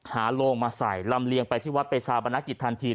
หาโรงมาใส่รำเรียงไปที่วัดเปรียสาปนักกิจทันที